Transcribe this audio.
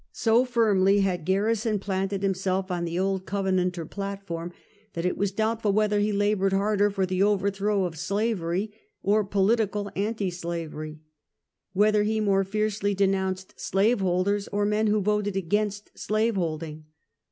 So firmly had State and National Politics. 199 Garrison planted himself on the old Covenanter plat form, that it is doubtful whether he labored harder for the overthrow of slavery or political anti slavery; whether he more fiercely denounced slave holders or men who voted aa ainst slave holdino